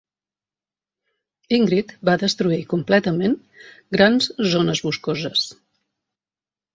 Ingrid va destruir completament grans zones boscoses.